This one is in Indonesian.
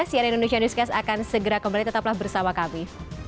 cnn indonesia newscast akan segera kembali tetaplah bersama kami